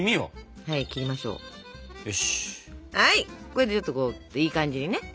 これでちょっといい感じにね。